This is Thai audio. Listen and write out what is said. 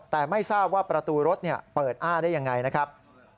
แต่ไม่ทราบว่าประตูรถเปิดอ้าได้ยังไงนะครับ